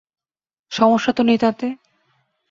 সমস্যা তো নেই তাতে।